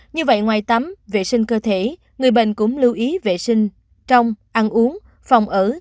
như vậy ngoài tắm vệ sinh cơ thể người bệnh cũng lưu ý vệ sinh trong ăn uống phòng ở